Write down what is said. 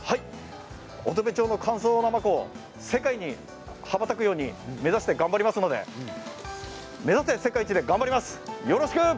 乙部町の乾燥なまこ世界に羽ばたくように頑張りますので目指せ世界一で頑張ります。